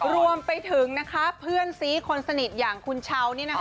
รวมไปถึงนะคะเพื่อนซีคนสนิทอย่างคุณเช้านี่นะคะ